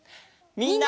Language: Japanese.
みんな！